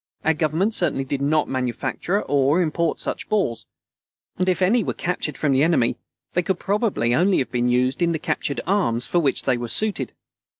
Our Government certainly did not manufacture or import such balls, and if any were captured from the enemy, they could probably only have been used in the captured arms for which they were suited.